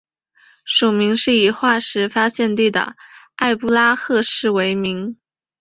属名是以化石发现地的埃布拉赫市为名。